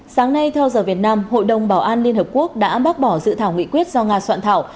sáng nay theo giờ việt nam hội đồng bảo an liên hợp quốc đã bác bỏ dự thảo nghị quyết do nga soạn thảo